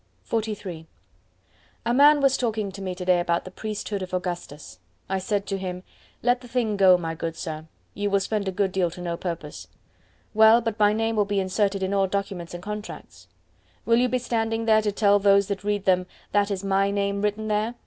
XLIII A man was talking to me to day about the priesthood of Augustus. I said to him, "Let the thing go, my good Sir; you will spend a good deal to no purpose." "Well, but my name will be inserted in all documents and contracts." "Will you be standing there to tell those that read them, That is my name written there?